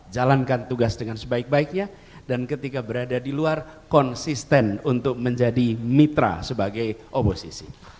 jalankan tugas dengan sebaik baiknya dan ketika berada di luar konsisten untuk menjadi mitra sebagai oposisi